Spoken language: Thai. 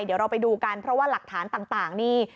เดี๋ยวเราไปดูกันเพราะว่าหลักฐานต่างนี่